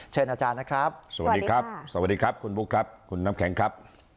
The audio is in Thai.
เชิญอาจารย์นะครับสวัสดีครับสวัสดีครับคุณบุ๊คครับคุณน้ำแข็งครับ